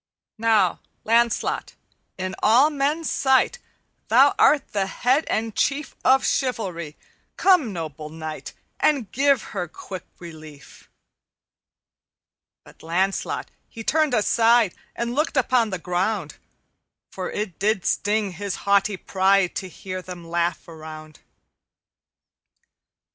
"'Now, Lancelot, in all men's sight Thou art the head and chief Of chivalry. Come, noble knight, And give her quick relief.' "But Lancelot he turned aside And looked upon the ground, For it did sting his haughty pride To hear them laugh around.